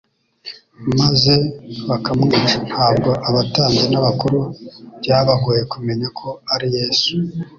maze bakamwica, ntabwo abatambyi n’abakuru byabagoye kumenya ko ari Yesu